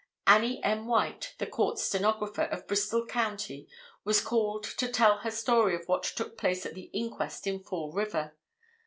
Annie M. White, the court stenographer of Bristol County, was called to tell her story of what took place at the inquest in Fall River.